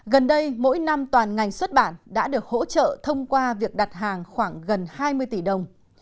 gần đây mỗi năm toàn ngành xuất bản đã được hỗ trợ thông qua việc đặt hàng khoảng gần hai mươi tỷ đồng